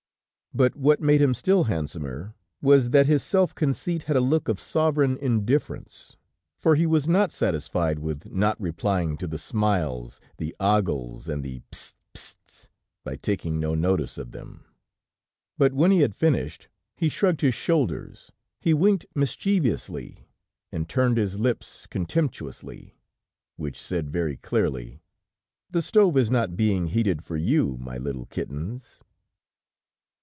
But what made him still handsomer, was that his self conceit had a look of sovereign indifference for he was not satisfied with not replying to the smiles, the ogles, and the p'st, p'st's, by taking no notice of them; but when he had finished he shrugged his shoulders, he winked mischievously, and turned his lips contemptuously, which said very clearly: "The stove is not being heated for you, my little kittens!"